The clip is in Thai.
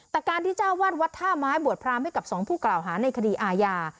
แต่การที่เจ้าวัดวัดท่าไม้บวชพรามให้กับสองผู้กล่าวหาในคดีอาญา